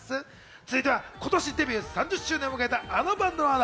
続いては、今年デビュー３０周年を迎えた、あのバンドの話題。